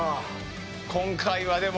今回は、でも。